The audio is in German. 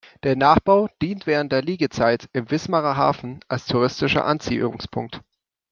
Der Nachbau dient während der Liegezeiten im Wismarer Hafen als touristischer Anziehungspunkt.